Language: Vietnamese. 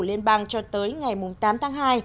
liên bang cho tới ngày tám tháng hai